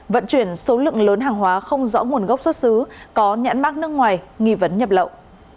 vận chuyển số lượng lớn hàng hóa không rõ nguồn gốc xuất xứ có nhãn mát nước ngoài nghi vấn nhập lậu